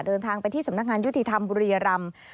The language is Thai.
เดินทางไปที่สำนักงานยุติธรรมบุรียรำ